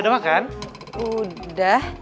ada makan udah